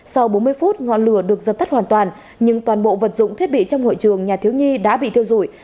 sau bốn mươi phút ngọn lửa được dập tắt hoàn toàn nhưng toàn bộ vật dụng thiết bị trong hội trường nhà thiếu nhi đã bị thiêu dụi